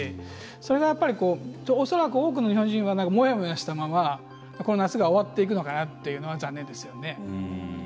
それが恐らく、多くの日本人はもやもやしたままこの夏が終わっていくのかなというのは残念ですよね。